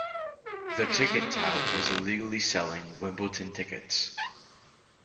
The ticket tout was illegally selling Wimbledon tickets